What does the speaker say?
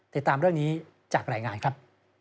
ติดตามเรื่องนี้จากรายงานครับ